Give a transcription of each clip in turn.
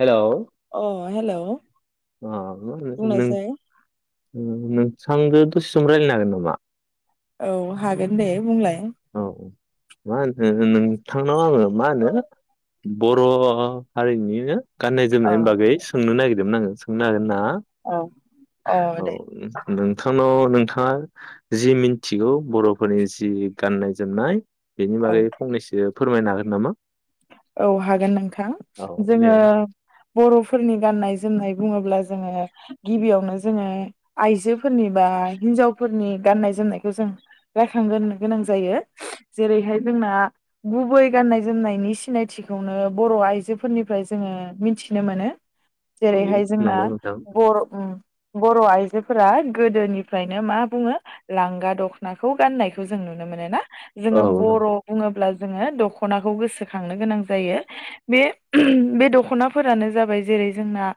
Hello अ हेल'। अ नों नों थांजों दसे सम रायलायनो हागोन नामा? औ हागोन दे बुंलाय। नामा औ मा होनो नोंथांनाव आङो मा होनो बर' हारिनिनो गाननाय अ जोमनायनि बागै सोंनो नागिरदोंमोन आङो। बुंनो हागोन ना? औ अ औ दे नोंथांनाव नोंथाङा जि मिनथिगौ बर'फोरनि जि गाननाय जोमनाय। बेनि औ बागै फंनैसो। फोरमायनो हागोन नामा? औ हागोन नोंथां औ जोङो देनाय बर'फोरनि गाननाय जोमनाय। बुङोब्ला जोङो गिबियावनो जोङो आइजोफोरनि बा हिनजावफोरनि गान्नाय जोमनायखौ जों रायखांग्रोनो गोनां जायो। जेरैहाय जोंना गुबै गाननाय जोमनायनि सिनाय थिखौनो बर' आइजोफोरनिफ्राय जोङो मिथिनो मोनो। औ जेरैहाय जोंना नंगौ नोंथां बर' ओम। बर' आइजोफोरा गोदोनिफ्रायनो मा बुङो लांगा दख'नाखौ गाननायखौ जों नुनो मोनो ना। औ जोङो बर' नंगौ बुङोब्ला। जोङो दख'नाखौ गोसोखांनो गोनां जा जायो बे बे दख'नाफोरानो जाबाय जेरै जोंना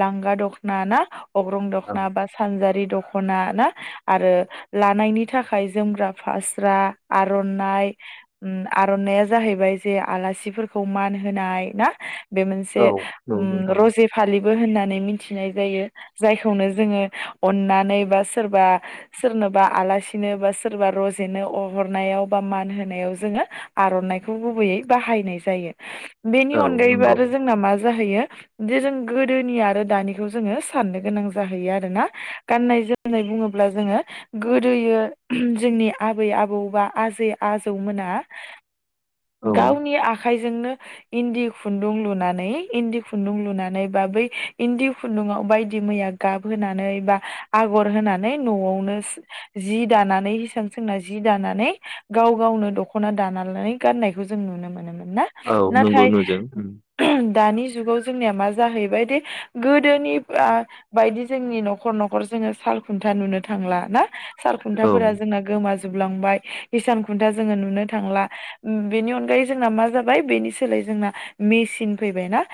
लांगा दख'ना ना। अग्रं औ दखना बा सानजारि। दख'ना ना आरो लानायनि थाखाय जोमग्रा फास्रा आर'नाय ओम आर'नाया जाहैबाय जे आलासि खौ मान होनाय ना। बे औ मोनसे ओ नंगौ नोंथां रजे फालि बो होननानै मिथिनाय जायो। जायखौनो जोङो अननानै बा सोरबा सोरनोबा आलासिनो बा सोरबा रजेनो अ हरनायाव बा मान होनायाव जोङो आर'नाइखौ गुबैयै बाहायनाय जा जायो। बेनि औ अनगायैबो नंगौ आरो जोंना मा। जाहैयो जे जों गोदोनि आरो दानिखौ जोङो साननो गोनां जाहैयो आरोना गाननाय जोमनाय बुङोब्ला जोङो गोदोयो जोंनि आबै आबौ बा आजै आजौमोना औ गावनि आ खाइजोंनो इन्दि खुन्दुं लुनानै इन्दि खुन्दुं लुनानै बा बै इन्दि खुन्दुंङाव बायदि मैया गाबहोनानै बा आगर होनानै न'वावनो जि दानानै हिसान सोंना जि दानानै गाव गावनो दख'ना दाना लानानै गाननायखौ जों नुनो मोनोमोन। ना औ नंगौ नाथाय नुदों उम, [unintelligible] दानि जुगाव जोंनिया मा जाहैबायदि गोदोनि आ बायदि जोंनि न'खर न'खर जोङो साल खुन्था नुनो थांला ना? औ सालखुन्थाफोरा जोंना गोमा जोबलांबाय हिसान खुन्था जोंङो नुनो थांला बेनि अनगायै जोंना मा। जाबाय बेनि सोलाय जोंना मेचिन फैबायना?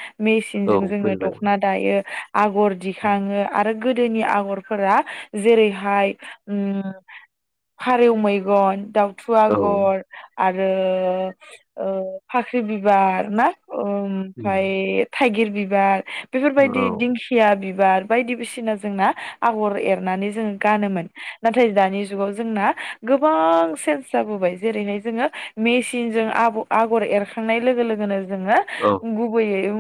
औ मेचिनजों जोङो फैबाय दख'ना दायो आगर दिखाङो आरो। गोदोनि आगरफोरा जेरैहाय उम फारेव मैगन दाउ। थु औ आगर। आरो ओ। फाख्रि बिबार ना? ओम फाय। थाइगिर बिबार औ बेफोरबायदि दिंखिया बिबार बायदि बिसिना जोंना आगर एरनानै जों गानोमोन नाथाय दानि जुगाव जोंना गोबां सेन्स जाबोबाय जेरैहाय जोंङो मेचिनजों आब आग गर एरखांनाय लोगो लोगोनो जोङो औ गुबैयै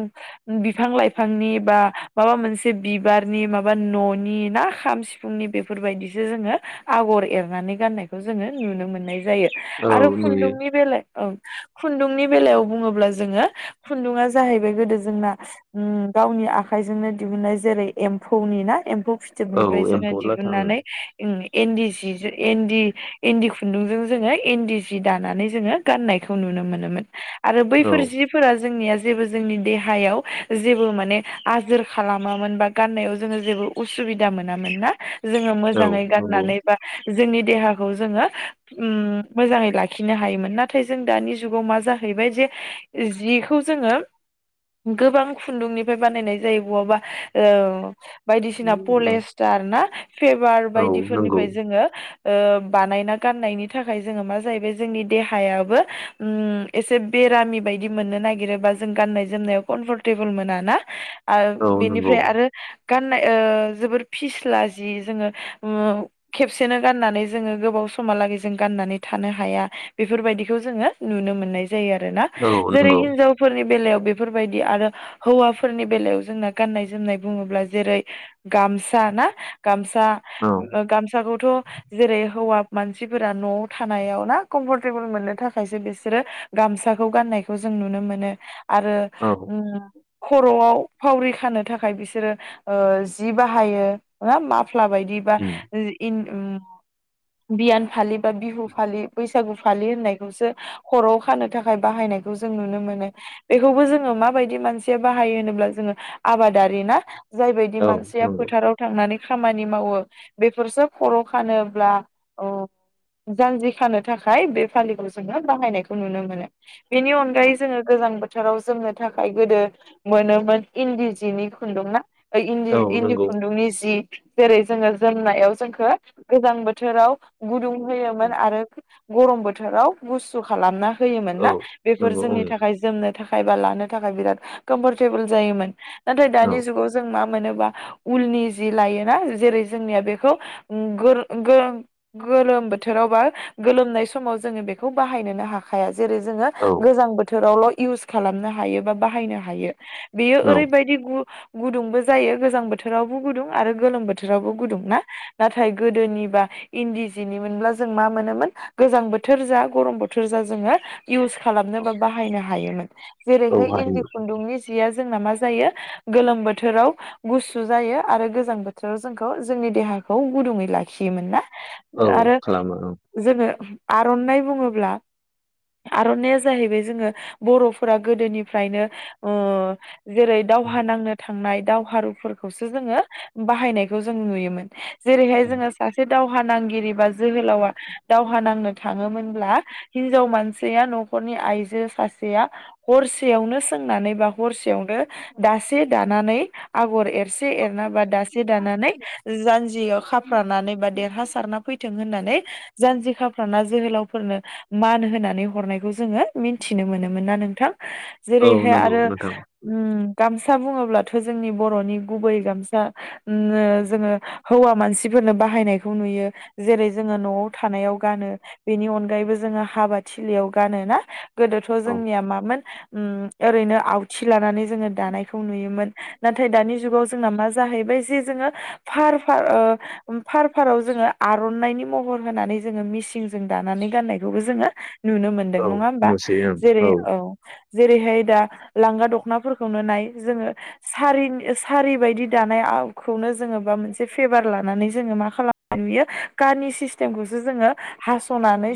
बिफां लाइफांनि बा माबा मोनसे बिबारनि माबा न'नि ना खाम सिफुंनि बेफोरबायदिसो जोङो आगर एरनानै गाननायखौ जोङो नुनो मोननाय जायो। औ आरो नुयो खुन्दुंनि बेला औ खुन्दुंनि बेलायाव बुङोब्ला जोङो खुन्दुङा जाहैबाय गोदो जोंना उम गावनि आखाइजोंनो दिहुननाय जेरै एम्फौनि ना एम्फौ औ फिथोबनिफ्राय जोङो एम्फौ लाथा ओं दिहुनन्नानै इन्दि सिजो इन्दि इन्दि खुन्दुंजों जोङो इन्दि सि दानानै जोङो गाननायखौ खौ नुनो मोनोमोन। आरो बैफोर औ जिफोरा जोंनिया जेबो जोंनि देहायाव जेबो माने आजोर खालामामोन बा गाननायाव जोङो जेबो उसुबिदा मोनामोन ना? जोङो औ मोजाङै नंगौ गाननानै बा जोंनि देहाखौ जोङो उम मोजाङै लाखिनो हायोमोन नाथाय जों दानि जुगाव मा जाहैबाय जे जिखौ जोङो गोबां खुन्दुंनिफ्राय बानायनाय जायो बहाबा ओ बायदिसिना पलेस्टार ना फेभार औ नंगौ बायदिफोरनिफ्राय जोङो ओ बानायना गाननायनि थाखाय जोङो मा जायो बे जोंनि देहायाबो ओम एसे बेरामि बायदि मोननो नागिरोबा जों गान्नाय जोमनायाव कम्फर्टेबोल मोना ना आ औ नंगौ बेनिफ्राय आरो गाननाय ओ जोबोर फिस्ला जि जोङो ओ खेबसेनो गाननानै जोङो गोबाव समहालागै जों गाननानै थानो हाया बेफोरबायदि खौ जोङो नुनो मोननाय ज जायो आरोना औ जेरै नंगौ हिनजावफोरनि बेलायाव बेफोरबायदि आरो हौवाफोरनि बेलायाव जोंना गाननाय जोमनाय बुङोब्ला जेरै गामसा ना गामस सा औ ओ गामसाखौ थ जेरै हौवा मानसिफोरा न'आव थानायाव ना कम्फर्टेबोल मोननो थाखायसो बिसोरो गामसाखौ गाननायखौ जों नुनो मोनो आरो औ ओम खर'आव फावरि खानो थाखाय बिसोरो ओ जि बाहायो ओ मा फ्ला बायदि बा उम जि इन उम बियान फालि बा बिहु फालि बैसागु फालि होननाय बे खौसो खरआव खानो थाखाय बाहायनायखौ जों नुनो मोनो बेखौबो जोङो माबायदि मानसिया बाहायो होनोब्ला जोङो आबादारि ना जायबायायदि औ मानसिया नंगौ फोथाराव थांनानै खामानि मावो बेफोरसो खर' खानोब्ला उम जान्जि खानो थाखाय बे फालिखौ ज जोंङो बाहायनायखौ नुनो मोनो बेनि अनगायै जोंङो गोजां बोथोर फोथाराव जोमनो थाखाय गोदो मोनोमोन इन्दि जिनि खुन्दुं ना फाय इन्दि औ इन्दि नंगौ खुन्दुंनि जि जेरै जोङो जोमनायाव जोंखो गोजां बोथोराव गुदुं होयोमान आरो गरम बोथोराव गुसु खालामना होयोमोन ना औ बेफोर नंगौ जोंनि ओं थाखाय जोमनो थाखाय बा लानो थाखाय बिराद कमफर्टेबोल जायोमोन। नाथाय दानि जुगाव जों मा मोनोबा उलनि जि लायोना जेरै जोंनिया बेखौ उ गोलो गोल गोलोम बोथोराव बा गोलोमनाय समाव जोङो बेख खौ बाहायनोनो हाखाया। जेरै जोङो औ गोजां बोथोरावल' इउस खालामनो हायो बा बाहायनो हायो। बेयो औ ओरैबायदि गु गुदुंबो जायो गोजां बोथोरावबो गुदुं आरो गोलोम बोथोरावबो गुदुं ना नाथाय गोदोनिबा इन्दि जिनि मोनब्ला जों मा मोनोमोन गोजां बोथोर जा गरम बोथोर जा जोङो इउस खालामनो औ बा बाहायनो हायोमोन। [inaudible] औ जेरैहाय इन्दि हायोमोन खुन्दुंनि जिया जोंना मा जायो गोलोम बोथोराव गुसु जायो आरो गोजां बोथोराव जोंखौ जोंनि देहाखौ गुदुङै लाखियोमोन ना? औ आरो खालामो जोङो आर'नाय बुङो ब्ला आर'नाया जाहैबाय जोङो बर'फोरा गोदोनिफ्रायनो ओ जेरै दावहा नांनो थांनाय दावहारुफोरखौसो जोङो बाहायनायखौ जों नुयोमोन। जेरैहाय औ जोङो सासे दाव दावहा नांगिरि बा जोहोलावा दावहा नांनो थाङोमोनब्ला हिनजाव मानसिया न'खरनि आइजो सासेया हरसेयावनो सोंनानै बा हरसेयावनो दासे दानानै आगर एरसे एरना बा दासे दानानै जान्जियाव खाफ्रानानै बा देरहासारना फैथों होननानै जान्जि खाफ्राना जोहोलावफोरनो मान होनानै हरनायखौ जोङो मिथिनो मोनोमोन ना नोंथां। औ जेरैहाय नंगौ आरो नोंथां उम। गामसा बुङोब्लाथ' जोंनि बर'नि गुबै गामसा उम जोङो हौवा मानसिफोरनो बाहायनायखौ नुयो जेरै जोङो न'आव थानायाव गानो बेनि अनगायैबो जोङो हाबा थिलियाव गानो ना। गोदोथ' औ जोंनिया मामोन उ ओरैनो आवथि लानानै जोङो दानायखौ नुयोमोन नाथाय दानि जुगाव जोंना मा जाहैबाय जे जोङो फार फार ओ फार फाराव जोङो आर'नाइनि महर होनानै जोङो मिसिनजों दानानै गाननाय बेखौबो जोङो नुनो मोनदों औ नङा होमबा नुसै ओं जेरै औ जेरैहाय दा लांगा दख'नाफोरखौनो नाय जोङो सारि सारि बायदि दानायखौनो माबा मोनसेे भेबार लानानै जोङो मा खालामनाय नुयो कानि सिस्टेमखौसो जोङो हासनानै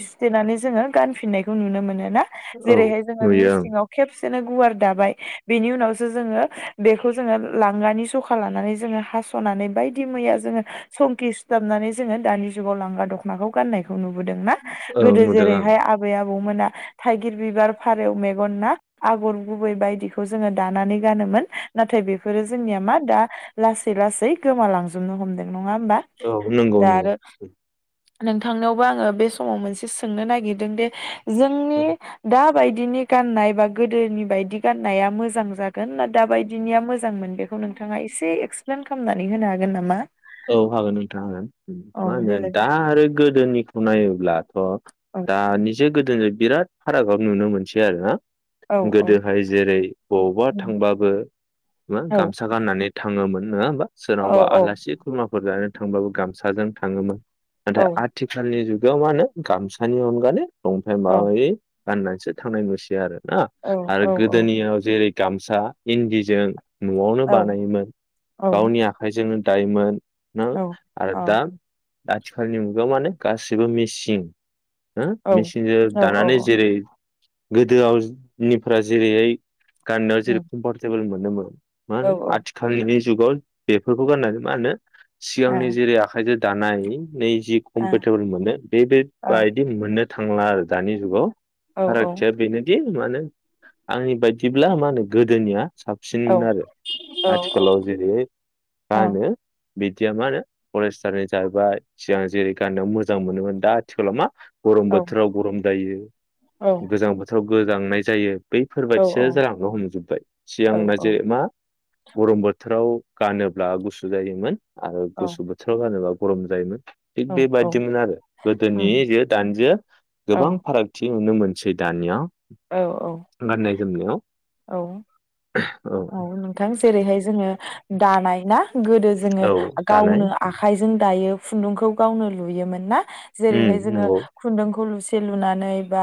जोङो गान फिननायखौ नुनो मोनो आरो ना औ जेरैहाय जोङो नुयो ओं मिसिनाव खेबसे नो गुवार दाबाय बेनि उनावसो जोङो बेखौ जोङो लांगानि जखा लानानै जोङो हास'नानै बायदि मैया जोङो संखि सुथाबनानै जोङो दानि जुगाव लांगा दख'नाखौ गाननायखौ नु बोदों ना ओं गोदो नुदों आं जेरैहाय आबै-आबौ मोना थाइगिर बिबार फारौ मेगन ना आगर गुबै बायदिखौ जोङो दानानै गानोमोन नाथाय बे फोरो जोंनिया मा दा ला सै लासै गोमालां जोबनो हमदों नङा होमबा औ नंगौ दा आरो नंगौ नोंथांनायावबो आङो बे समाव मोनसे सोंनो नागिरदों दे जोंनि दा बायदिनि गाननाय बा गोदोनि बायदि गाननाया मोजां जाग गोन ना दाबायदिनिया मोजांमोन बेखौ नोंथाङा एसे एक्सप्लेन खा खालामनानै होनो हागोन नामा औ हागोन नोंथां आंओ हागोन औ मा होनो देलाय दा आरो गोदोनिखौ नायोब्ला अ औ दा निजो गोदोनिद बिराद फारागआव नुनो मोनसै आरो ना औ औ गोदोहाय जेरै बबावबा थांबाबो मा औ गामसा गाननानै थाङोमोन नोंआ होमबा सोरनावबा औ आलासिख फोरा जानो थांबाबो गामसाजों थाङोमोन नाथाय औ आथिखालनि जुग बेयाव मा होनो गामसानि अनगाले संथायाइ औ माबायो गाननानैसो थांनाय नुसै आरो ना औ आरो औ गोदोनियाव जेरै गामसा इन्दिजों नआवनो बानायोमोन औ गावनि आखाइजोंनो डायोमोन न औ आरो दा आथिखालनि मुगायाव माने गासैबो मिसिं हो मेसिनजों औ औ दानानै जेरै गोदोआव शिप्रा जेरैयै गननायाव जेरै औ कमफरटेबोलमोन नोंगौ मा औ नो ओ आथिखालिनि बे जुगाव बेफोरखौ गाननानै मा होनो सिगांनि जेरै आखाइजों दा नाय नै जि कमफर्टेबोल मोनो बेबायदि मोननो थांला आरो दानि जुगाव ओ फारागथिया बेनोदि मानो आंनि बायदिब्ला मा होनो गोदोनिया ओ साबसिनमोन औ आरो आथिखालाव जेरै औ गानो बिदिया मा होनो पलेस्टारनि जाहैबाय सिगां जेरै गाननो मोजां मोनोमोन दा आथिखालाव मा गरम बोथोराव गरम दायो औ गोजां बोथोराव गो लांनाय जायो औ बैफोरबायदिसो जालांनो हमजोबबाय औ सिगांना जेरै मा गरम बोथोराव गानोब्ला गुसु सु जायोमोन आरो गुसु बोथोराव गानोबा गरम जायोमोन थिग औ औ बेबायदिमोन आरो गोदोनि उम जो दानिजो औ गोबां फारागथि नुनो मोनसै दानिया औ गाननाय जोमनायाव औ औ नोंथां जेरैहाय जोङो दानाय ना गोदो जोङो औ दानाय गावनो आखायजों दायो खुन्दुंखौ गावनो लुयोमोन ना उम जेरैहाय जोङो नंगौ खुन्दुंखौलु लुनानै बा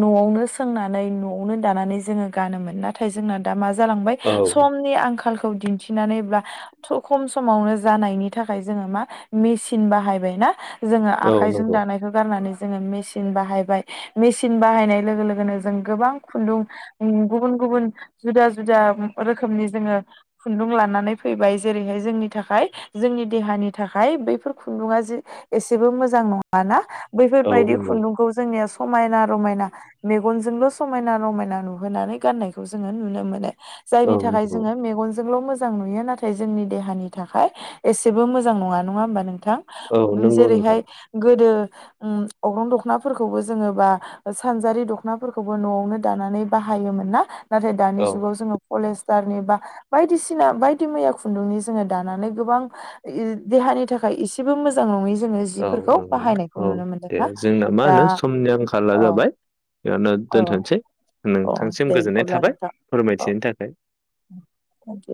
नआवनो सोंनानै नआवनो दानानै जोङो गानोमोन नाथाय जोंना दा मा जालांबाय औ समनि आंखाल खौ दिन्थिनानै बा थ खम समावनो जानायनि थाखाय जोङो मा मेचिन बाहायबाय ना जोङो औ आखाइजों नंगौ दानायखौ गारनानै जोङो मेचिन बाहायबाय मेचिन बाहायनाय लोगो लोगोनो जों गोबां खुन्दुं उम गुबुन गुबुन जुदा जुदा रोखोमनि जोङो खुन्दुं लानानै फैबाय जेरैहाय जोंनि थाखाय जोंनि देहानि थाखाय बैफोर खुन्दुंआ जि एसेबो मोजां नंङा ना औ बैफोरबायदि नंगौ खुन्दुंखौ जोंनिया समायना रमायना मेगनजोंल समायना रमायना नु होनानै गाननायखौ जोङो नुनो मोनो। जायनि औ थाखाय नंगौ जोङो मेगनजोंल मो जां नुयो नाथाय जोंनि देहानि थाखाय एसेबो मोजां नङा नङा होमबा नों थां औ नंगौ नोंथां जेरैहाय गोदो उम अग्रं दखनाफोरखौबो जोङो बा सानजारि दखनाफोरखौबो नआवनो दानानै बाहायोमोन ना नाथाय दानि औ जुगाव जोङो फलेस्टारनि बा बायदिसिना बायदि मैया खुन्दुंनि जोङो दानानै गोबां देहानि थाखाय एसेबो मोजां नङि औ नंगौ औ दे जोंना मा दा होनो समनि आंखाला अ जाबाय बेयावनो अ दोनथ'नोसै अ नोंथांसिम दे गोजोननाय अब्ला थाबाय नोंथां औ फोरमायथिनायनि थाखाय। Thank you